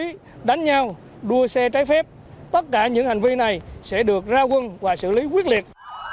tất cả những hành vi đánh nhau đua xe trái phép tất cả những hành vi này sẽ được ra quân và xử lý quyết liệt